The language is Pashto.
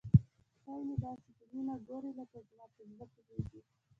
سپی مې داسې په مینه ګوري لکه زما په زړه پوهیږي.